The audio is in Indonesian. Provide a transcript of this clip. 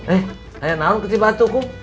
eh hanya nangang kecibatu kum